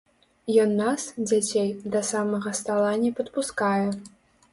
Ён нас, дзяцей, да самага стала не падпускае.